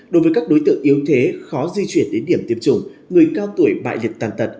đối với các đối tượng yếu thế khó di chuyển đến điểm tiêm chủng người cao tuổi bại liệt tàn tật